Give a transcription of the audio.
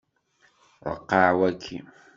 Ṛeqqeɛ waki.